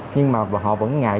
nhưng mà họ vẫn ngại